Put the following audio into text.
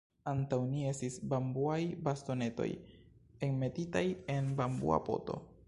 Antaŭ ni estis bambuaj bastonetoj enmetitaj en bambua poto.